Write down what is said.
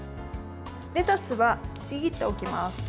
レタスは、ちぎっておきます。